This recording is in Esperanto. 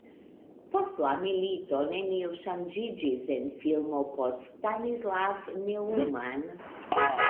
Post la milito nenio ŝanĝiĝis en filmo por Stanislav Neumann.